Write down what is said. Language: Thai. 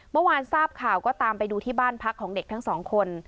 เมื่อวานทราบข่าวก็ตามไปดูที่บ้านพักของเด็กทั้งสองคน